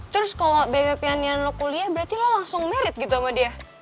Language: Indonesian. terus kalau bebek kanian lo kuliah berarti lo langsung married gitu sama dia